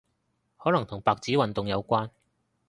可能同白紙運動有關